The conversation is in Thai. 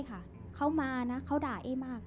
ใช่ค่ะเขามานะเขาด่าเอ๊ะมาก